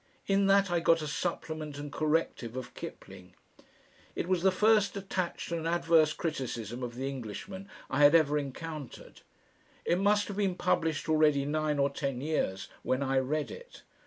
In that I got a supplement and corrective of Kipling. It was the first detached and adverse criticism of the Englishman I had ever encountered. It must have been published already nine or ten years when I read it.